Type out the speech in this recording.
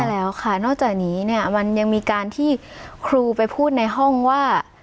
แล้วค่ะนอกจากนี้เนี่ยมันยังมีการที่ครูไปพูดในห้องว่า